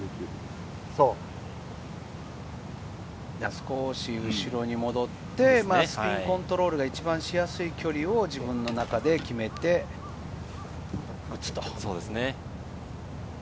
少し後ろに戻って、ラインコントロールがしやすい位置を自分で決めて打つと。